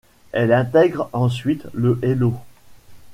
Elle intègre ensuite le Hello!